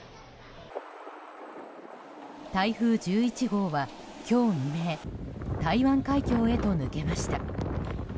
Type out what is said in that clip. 台風１１号は今日未明台湾海峡へと抜けました。